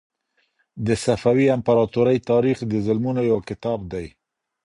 د صفوي امپراطورۍ تاریخ د ظلمونو یو کتاب دی.